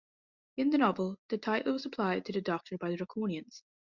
In the novel, the title was applied to the Doctor by the Draconians.